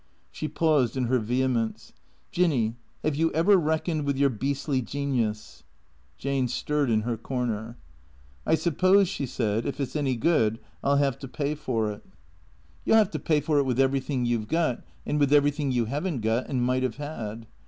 She paused in her vehemence. " Jinny — have you ever reckoned with your beastly genius ?" Jane stirred in her corner. " I suppose," she said, " if it 's any good I '11 have to pay for it." 106 T H E C R E A T 0 E S " You '11 have to pay for it with everything you 've got and with everything you have n't got and might have had.